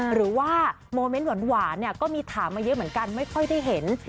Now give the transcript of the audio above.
หรือว่าโมเมนต์หวานก็มีถามมาเยอะเหมือนกันไม่ค่อยได้เห็น